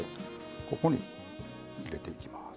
ここに入れていきます。